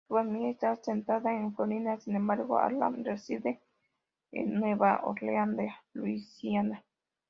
Su familia está asentada en Florida, sin embargo, Avram reside en Nueva Orleans, Luisiana.